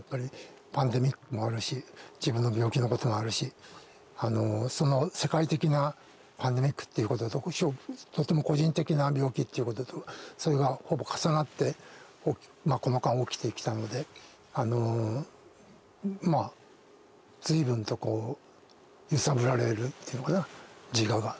パンデミックもあるし自分の病気のこともあるしその世界的なパンデミックっていうことととても個人的な病気っていうこととそれがほぼ重なってこの間起きてきたのでまあ随分とこう揺さぶられるっていうのかな自我が。